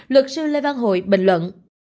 luật sư lê văn hội bình luận